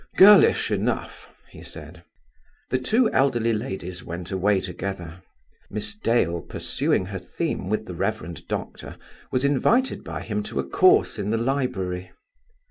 "Girlish enough," he said. The two elderly ladies went away together. Miss Dale, pursuing her theme with the Rev. Doctor, was invited by him to a course in the library.